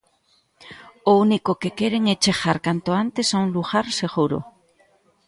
O único que queren é chegar canto antes a un lugar seguro.